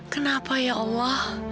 kenapa ya allah